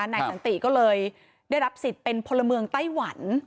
นายสันติก็เลยได้รับสิทธิ์เป็นพลเมืองไต้หวัน